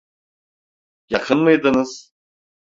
Yakın mıydınız?